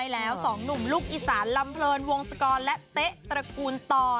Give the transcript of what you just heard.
ลูกอิสานลำเพลินวงสกรและเต๊ะตระกูลต่อ